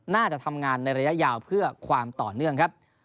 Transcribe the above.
น่าจะทำงานในระยะยาวเพื่อความต่อเนื่องครับ